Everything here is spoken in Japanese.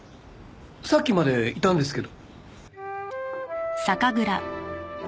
さっきまでいたんですけど。